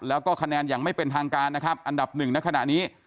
แล้วก็คะแนนอย่างไม่เป็นทางการนะครับอันดับหนึ่งในขณะนี้